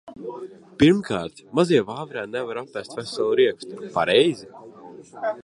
Pirmkārt, mazie vāverēni nevar apēst veselu riekstu, pareizi?